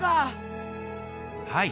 はい。